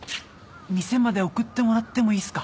店まで送ってもらってもいいっすか？